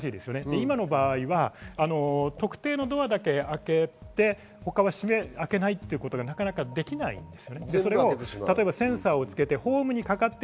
今の場合は特定のドアだけ開けて他は開けないということがなかなかできないんです。